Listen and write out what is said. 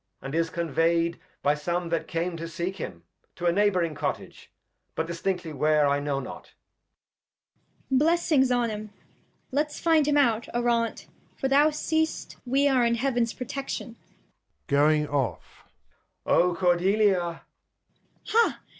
And is convey'd by some that came to seek him, To a Neighb'ring Cottage ; but distinctly where, I know not. Cord. Blessings on 'em ; Let's find him out, Arante, for thou seest We are in Heavens Protection. [Going off. Edg. O Cordelial Cord. Ha